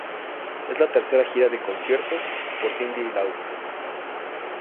Es la tercera gira de conciertos por Cyndi Lauper.